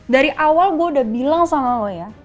dari awal gue udah bilang sama lo ya